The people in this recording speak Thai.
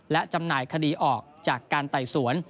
และจำหน่ายคดีออกจากการไต่สวน